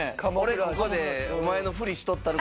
「俺ここで」。